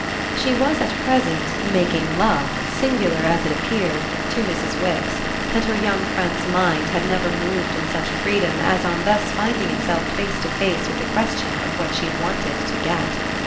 She was at present making love, singular as it appeared, to Mrs. Wix, and her young friend's mind had never moved in such freedom as on thus finding itself face to face with the question of what she wanted to get.